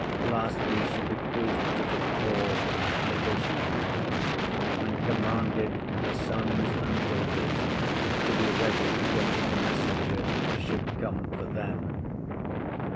Lastly, she bequeathed to the poor that little she had, and commanded her sons and daughters to be ready against the messenger should come for them.